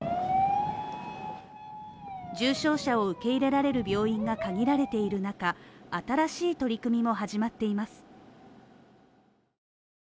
重症者を受け入れられる病院が限られている中新しい取り組みも始まっています